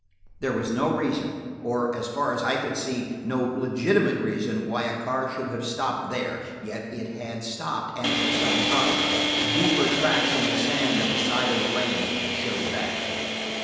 There was no reason, or, so far as I could see, no legitimate reason, why a car should have stopped there, yet it had stopped and for some time. Deeper tracks in the sand at the side of the lane showed that.